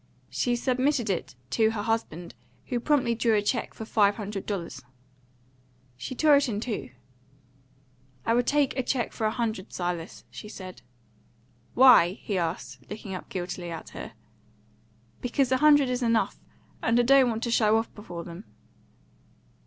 She submitted it to her husband, who promptly drew a cheque for five hundred dollars. She tore it in two. "I will take a cheque for a hundred, Silas," she said. "Why?" he asked, looking up guiltily at her. "Because a hundred is enough; and I don't want to show off before them."